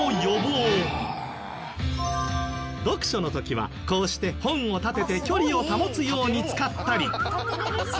読書の時はこうして本を立てて距離を保つように使ったり。